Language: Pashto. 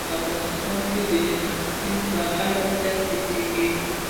په افغانستان کې د هلمند سیند په اړه زده کړه کېږي.